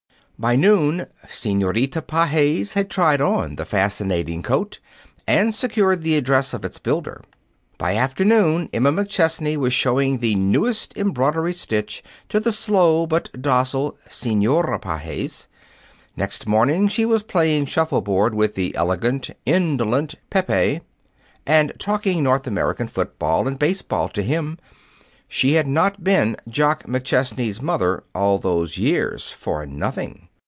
By noon, Senorita Pages had tried on the fascinating coat and secured the address of its builder. By afternoon, Emma McChesney was showing the newest embroidery stitch to the slow but docile Senora Pages. Next morning she was playing shuffleboard with the elegant, indolent Pepe, and talking North American football and baseball to him. She had not been Jock McChesney's mother all those years for nothing.